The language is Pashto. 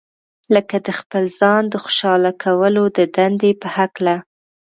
لکه د خپل ځان د خوشاله کولو د دندې په هکله.